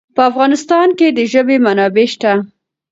په افغانستان کې د ژبې منابع شته.